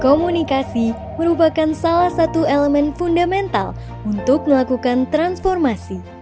komunikasi merupakan salah satu elemen fundamental untuk melakukan transformasi